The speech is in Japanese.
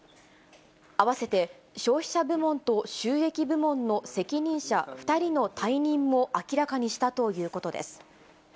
併せて消費者部門と収益部門の責任者２人の退任も明らかにしたということです。